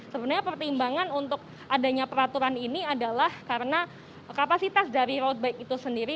sebenarnya pertimbangan untuk adanya peraturan ini adalah karena kapasitas dari road bike itu sendiri